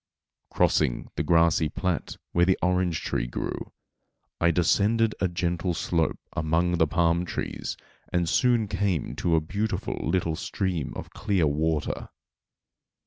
Crossing the grassy plat where the orange tree grew, I descended a gentle slope among the palm trees and soon came to a beautiful little stream of clear water.